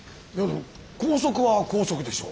校則は校則でしょう。